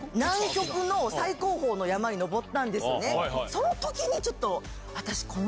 その時にちょっと。